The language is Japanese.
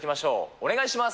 お願いします。